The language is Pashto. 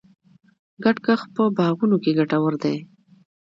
ګډ کښت په باغونو کې ګټور دی.